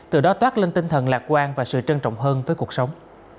từ đó toát lên tinh thần lạc quan và sự trân trọng hơn với cuộc sống